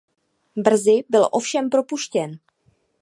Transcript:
Brzy byl ovšem propuštěn.